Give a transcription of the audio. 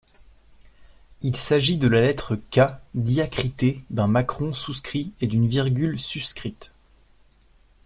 Il s’agit de la lettre K diacritée d’un macron souscrit et d’une virgule suscrite.